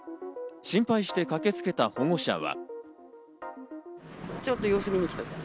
心配して駆けつけた保護者は。